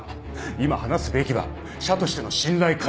今話すべきは社としての信頼回復